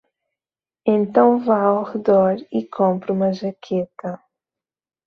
Então vá ao redor e compre uma jaqueta